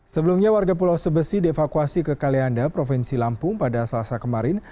sebelumnya warga pulau sebesi dievakuasi ke kalianda provinsi lampung pada selasa kemarin